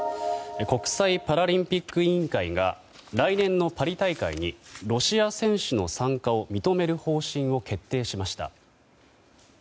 国際パラリンピック委員会が来年のパリ大会にロシア選手の参加を認める方針を決定しました。